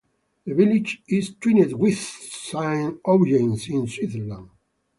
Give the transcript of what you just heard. The village is twinned with Saint-Oyens in Switzerland.